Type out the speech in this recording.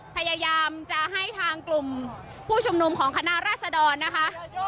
พยายามจะให้ทางกลุ่มผู้ชุมนุมของคณะราษดรนะคะ